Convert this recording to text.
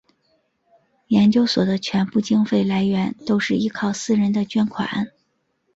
研究所的全部经费来源都是依靠私人的捐款。